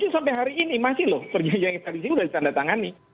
dua ribu tujuh sampai hari ini masih loh perjanjian extradisi udah ditandatangani